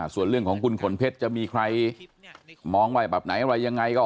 ส่วนเรื่องของคุณขนเพชรจะมีใครมองว่าแบบไหนอะไรยังไงก็